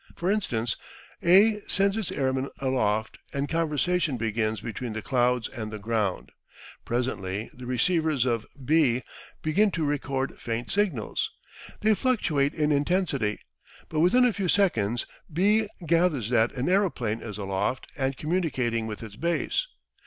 For instance, A sends his airmen aloft and conversation begins between the clouds and the ground. Presently the receivers of B begin to record faint signals. They fluctuate in intensity, but within a few seconds B gathers that an aeroplane is aloft and communicating with its base.